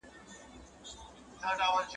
ته مي بزې وهه، زه به دي روژې وهم.